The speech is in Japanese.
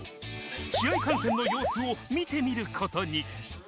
試合観戦の様子を見てみることに。